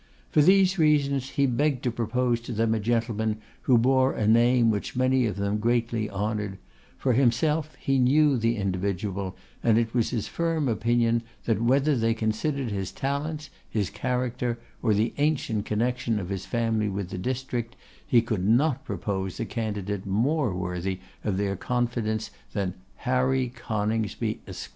For these reasons he begged to propose to them a gentleman who bore a name which many of them greatly honoured; for himself, he knew the individual, and it was his firm opinion that whether they considered his talents, his character, or the ancient connection of his family with the district, he could not propose a candidate more worthy of their confidence than HARRY CONINGSBY, ESQ.